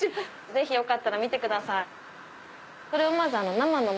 ぜひよかったら見てください。